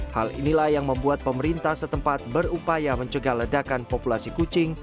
hal inilah yang membuat pemerintah setempat berupaya mencegah ledakan populasi kucing